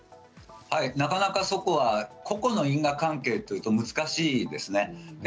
なかなか個々の因果関係というと難しいですね。